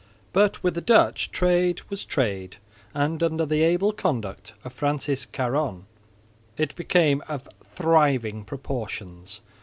But, with the Dutch, trade was trade, and under the able conduct of Francis Caron it became of thriving proportions.